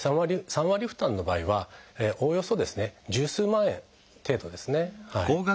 ３割負担の場合はおおよそ十数万円程度ですね。